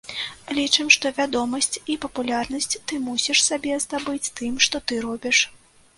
Лічым, што вядомасць і папулярнасць ты мусіш сабе здабываць тым, што ты робіш.